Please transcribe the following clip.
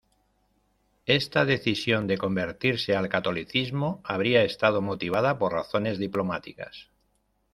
Esta decisión de convertirse al catolicismo habría estado motivada por razones diplomáticas.